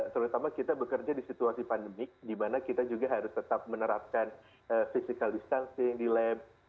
terutama kita bekerja di situasi pandemik di mana kita juga harus tetap menerapkan physical distancing di lab